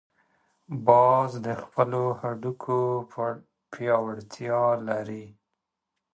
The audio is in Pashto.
باز د خپلو هډوکو پیاوړتیا لري